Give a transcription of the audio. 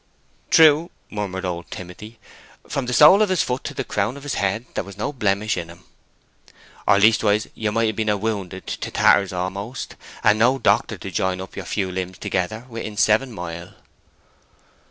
"True," murmured old Timothy. "From the soul of his foot to the crown of his head there was no blemish in him." "Or leastwise you might ha' been a wownded into tatters a'most, and no doctor to jine your few limbs together within seven mile!"